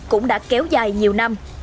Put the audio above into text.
cũng đã kéo dài nhiều năm